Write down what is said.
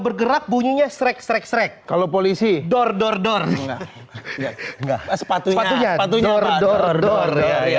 bergerak bunyinya strek strek kalau polisi door door door sepatunya sepatunya door door door